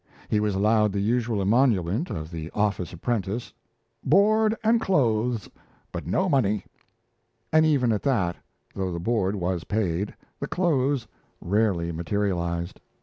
He was allowed the usual emolument of the office apprentice, "board and clothes, but no money"; and even at that, though the board was paid, the clothes rarely materialized.